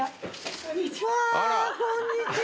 こんにちは。